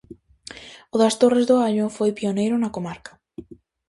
O das Torres do Allo foi pioneiro na comarca.